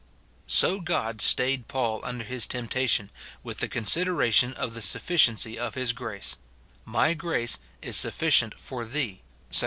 So God staid Paul, under his temptation, with the consideration of the sufii ciency of his grace :" My grace is sufficient for thee," 2 Cor.